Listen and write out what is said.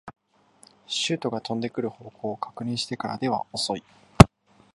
シュートが飛んでくる方向を確認してからでは遅い